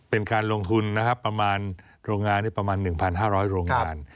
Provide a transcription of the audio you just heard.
เป็นการลงทุนโรงงานประมาณ๑๕๐๐โรงการ